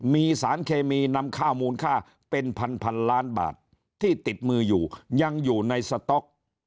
มีสารเคมีนำข้าวมูลค่าเป็นพันล้านบาทที่ติดมืออยู่ยังอยู่ในสต๊อก